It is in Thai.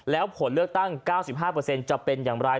แล้วผลเลือกตั้ง๙๕จะเป็นอย่างไร